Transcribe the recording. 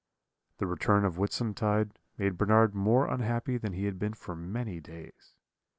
"The return of Whitsuntide made Bernard more unhappy than he had been for many days.